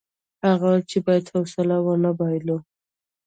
هغه وویل چې باید حوصله ونه بایلو.